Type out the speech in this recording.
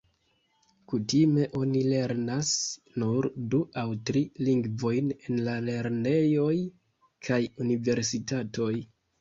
Kutime oni lernas nur du aŭ tri lingvojn en la lernejoj kaj universitatoj.